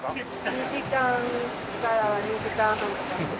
２時間から２時間半とか。